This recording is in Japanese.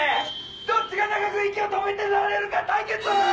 どっちが長く息を止めてられるか対決！」